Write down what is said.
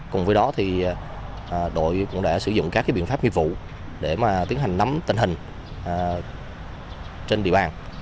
cùng với đó thì đội cũng đã sử dụng các biện pháp nghiệp vụ để tiến hành nắm tình hình trên địa bàn